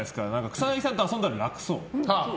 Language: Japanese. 草なぎさんと遊んだら楽そう。